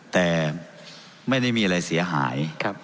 แต่ไม่ได้มีอะไรเสียหาย